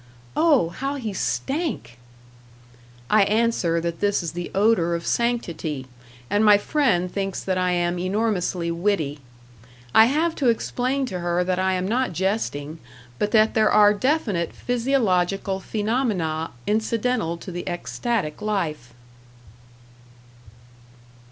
"Oh, how he stank!" I answer that this is the odor of sanctity, and my friend thinks that I am enormously witty; I have to explain to her that I am not jesting, but that there are definite physiological phenomena incidental to the ecstatic life.